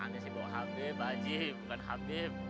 anda sih bawa habib pak ji bukan habib